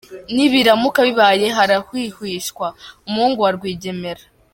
Nibiramuka bibaye, harahwihwiswa umuhungu wa Rwigemera!!